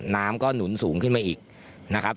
น้ำก็หนุนสูงขึ้นมาอีกนะครับ